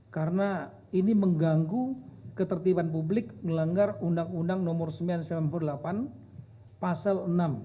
karena ini mengganggu ketertiban publik melanggar undang undang nomor seribu sembilan ratus sembilan puluh delapan pasal enam